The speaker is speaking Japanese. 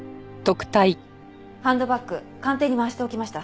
ハンドバッグ鑑定に回しておきました。